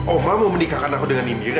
oma mau menikahkan aku dengan indira